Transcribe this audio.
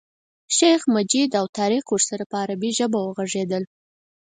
شیخ مجید او طارق ورسره په عربي ژبه وغږېدل.